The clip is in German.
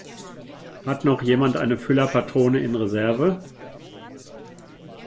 Hat noch jemand eine Füllerpatrone in Reserve?